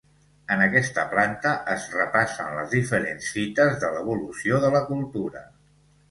En aquesta planta es repassen les diferents fites de l'evolució de la cultura.